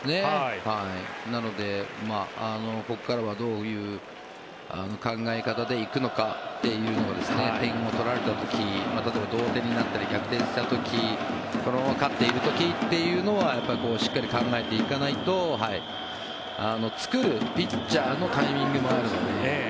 なので、ここからはどういう考え方で行くのかというのを点を取られた時例えば同点になったり逆転した時このまま勝っている時というのはしっかり考えていかないと作るピッチャーのタイミングもあるのでね。